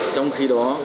trong khi đó